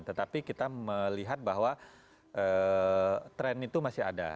tetapi kita melihat bahwa tren itu masih ada